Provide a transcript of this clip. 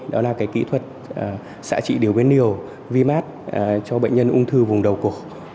đó là kỹ thuật xã trị điều biến điều vi mát cho bệnh nhân ung thư vùng đầu cổ